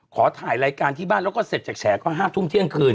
ขอถ่ายรายการที่บ้านแล้วก็เสร็จจากแฉก็๕ทุ่มเที่ยงคืน